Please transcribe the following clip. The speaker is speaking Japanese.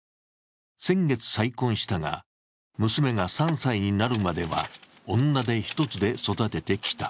先月再婚したが、娘が３歳になるまでは女手ひとつで育ててきた。